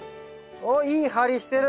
おっいい張りしてる。